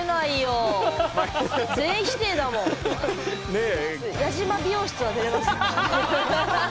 ねえ。